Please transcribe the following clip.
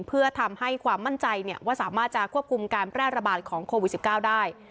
เพื่อทำให้ความมั่นใจว่าสามารถจะควบคุมการแพร่ระบาดของโควิด๑๙ได้